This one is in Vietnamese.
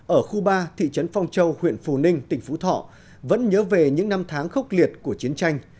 ở khu ba thị trấn phong châu huyện phù ninh tỉnh phú thọ vẫn nhớ về những năm tháng khốc liệt của chiến tranh